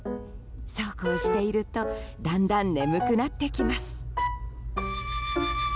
そうこうしているとだんだん眠くなってきます。